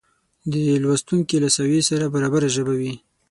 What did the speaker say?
د لوستونکې له سویې سره برابره ژبه وي